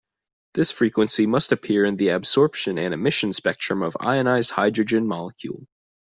This frequency must appear in the absorption and emission spectrum of ionized hydrogen molecule.